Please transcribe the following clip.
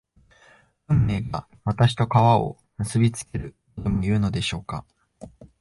運命が私と川を結びつけるとでもいうのでしょうか